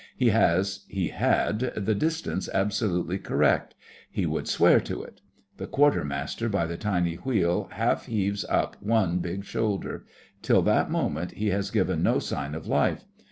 He has—he had—the distance absolutely correct; he would swear to it. The Quartermaster by the tiny wheel half heaves up one big shoulder. Till that moment he has given no sign of life.